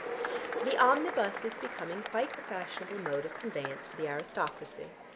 "The omnibus is becoming quite a fashionable mode of conveyance for the aristocracy.